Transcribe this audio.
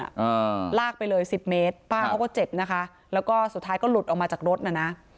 อ่าลากไปเลยสิบเมตรป้าเขาก็เจ็บนะคะแล้วก็สุดท้ายก็หลุดออกมาจากรถน่ะนะ